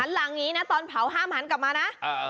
หลังนี้นะตอนเผาห้ามหันกลับมานะ